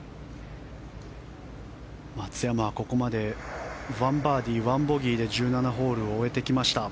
松山はここまで１バーディー１ボギーで１７ホールを終えてきました。